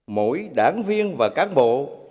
mỗi đảng viên và cán bộ